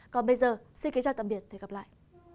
còn bây giờ xin kính chào tạm biệt và hẹn gặp lại